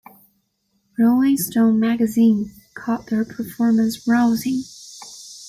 "Rolling Stone" magazine called their performance "rousing".